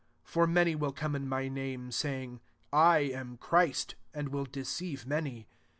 5 For many will come in my name, saying, < I am Christ ;' and will deceive many.